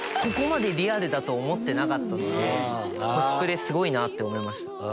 ここまでリアルだと思ってなかったのでコスプレすごいなって思いました。